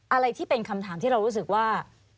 อะไรที่เป็นคำถามที่เรารู้สึกว่า